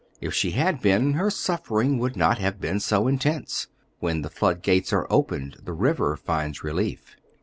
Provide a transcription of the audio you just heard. If she had been, her suffering would not have been so intense, when the flood gates are opened, the river finds relief.